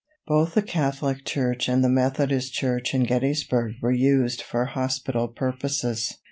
Both the Catholic church and the Methodist church in Gettysburg were used for hospital purposes.